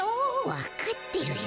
わかってるよ。